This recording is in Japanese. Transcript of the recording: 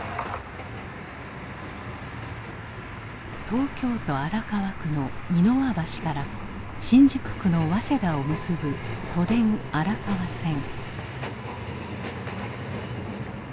東京都荒川区の三ノ輪橋から新宿区の早稲田を結ぶ都電荒川線。